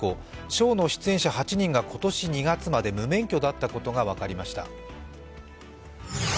ショーの出演者８人が今年２月まで無免許だったことが分かりました。